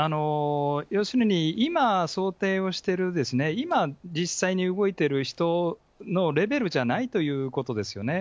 要するに今、想定をしているですね、今、実際に動いている人のレベルじゃないということですよね。